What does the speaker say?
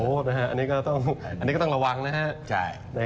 โอ้โหอันนี้ก็ต้องระวังนะฮะ